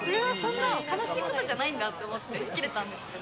悲しいことじゃないんだと思って吹っ切れたんですけど。